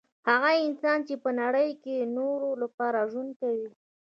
هغه انسان چي په نړۍ کي د نورو لپاره ژوند کوي